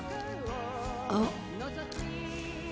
あっ。